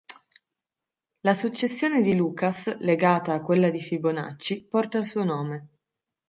La successione di Lucas, legata a quella di Fibonacci, porta il suo nome.